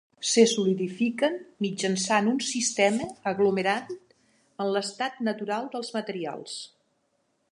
Se solidifiquen mitjançant un sistema aglomerant en l'estat natural dels materials.